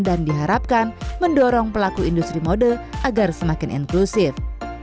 dan diharapkan mendorong pelaku industri model agar semakin inklusif